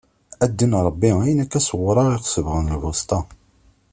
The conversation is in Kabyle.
A ddin Ṛebbi ayen akka s uwraɣ i aɣ-sebɣen lbusṭa.